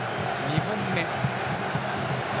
２本目。